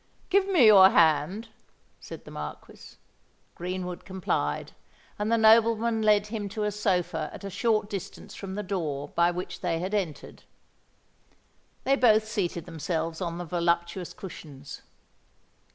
"Give me your hand," said the Marquis. Greenwood complied; and the nobleman led him to a sofa at a short distance from the door by which they had entered. They both seated themselves on the voluptuous cushions.